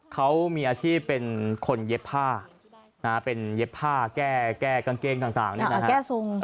เขามีอาชีพเป็นคนเย็บผ้าเป็นเย็บผ้าแก้กางเกงต่างนี่นะฮะ